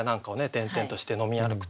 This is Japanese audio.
転々として飲み歩くと。